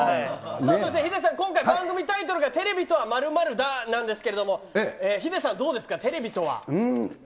そしてヒデさん、今回、番組タイトルがテレビとは、○○だなんですけど、ヒデさん、テレビとは？